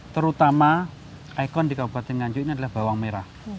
terutama ikon di kabupaten nganjuk ini adalah bawang merah